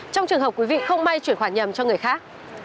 trong trường hợp quý vị không may chuyển khoản nhầm cho người khác